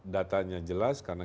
datanya jelas karena